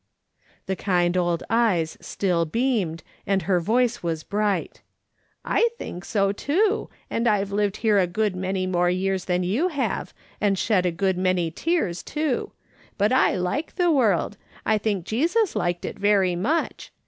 The kind old eyes still beamed, and her voice was bright. " I think so too, and I've lived here a good man}' more years than you have, and shed a good many tears, too ; but I like the world ; I think Jesus liked it very much.